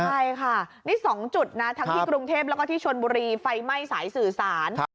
ใช่ค่ะนี่๒จุดนะทั้งที่กรุงเทพแล้วก็ที่ชนบุรีไฟไหม้สายสื่อสาร